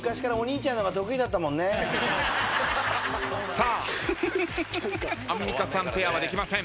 さあアンミカさんペアはできません。